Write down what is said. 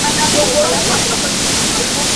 তাঁর বীরত্বে ত্রুটি দেখা গেল না।